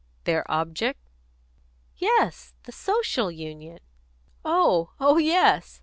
"Their object?" "Yes. The Social Union." "Oh! Oh yes.